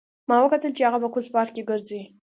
ما وکتل چې هغه په کوز پارک کې ګرځي